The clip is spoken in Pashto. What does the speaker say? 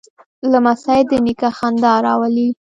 لمسی د نیکه خندا راولي.